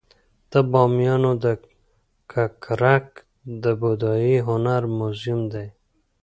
د بامیانو ککرک د بودايي هنر موزیم دی